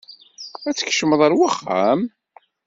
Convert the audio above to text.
Ad tkecmeḍ ar waxxam.